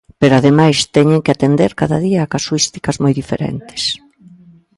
Pero, ademais, teñen que atender cada día a casuísticas moi diferentes.